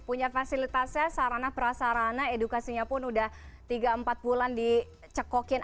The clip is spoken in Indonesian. punya fasilitasnya sarana prasarana edukasinya pun udah tiga empat bulan dicekokin